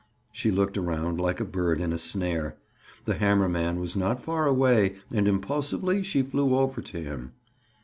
She looked around like a bird in a snare; the hammer man was not far away and impulsively she flew over to him.